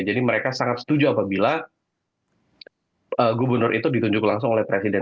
jadi mereka sangat setuju apabila gubernur itu ditunjuk langsung oleh presiden